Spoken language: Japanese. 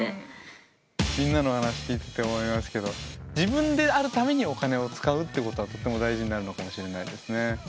みんなの話聞いてて思いますけど自分であるためにお金を使うってことがとても大事になるのかもしれないですね。